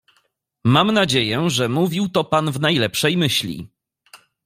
"Mam nadzieję, że mówił to pan w najlepszej myśli."